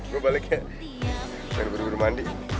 gue baru baru mandi